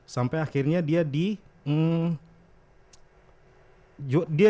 sampai akhirnya dia di